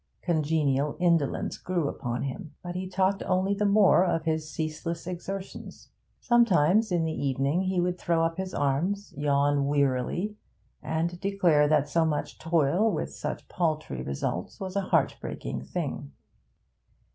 Congenial indolence grew upon him, but he talked only the more of his ceaseless exertions. Sometimes in the evening he would throw up his arms, yawn wearily, and declare that so much toil with such paltry results was a heart breaking thing.